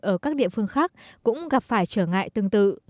ở các địa phương khác cũng gặp phải trở ngại tương tự